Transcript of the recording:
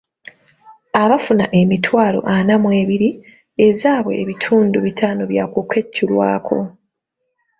Abafuna emitwalo ana mu ebiri, ezaabwe ebitundu bitaano byakukeculwako.